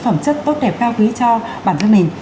phẩm chất tốt đẹp cao quý cho bản thân mình